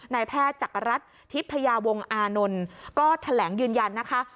นายแพทย์จักรรัฐทิพยาวงอานนท์ก็แถลงยืนยันนะคะ